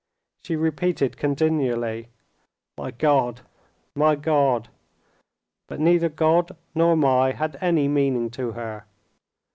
She repeated continually, "My God! my God!" But neither "God" nor "my" had any meaning to her.